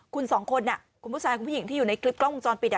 คุณสองคนคุณผู้ชายคุณผู้หญิงที่อยู่ในคลิปกล้องวงจรปิด